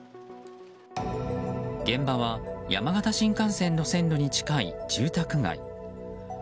現場は山形新幹線の線路に近い住宅街。